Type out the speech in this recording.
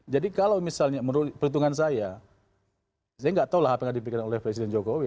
jadi kalau misalnya menurut perhitungan saya saya gak tahu lah apa yang akan dipikirkan oleh presiden jokowi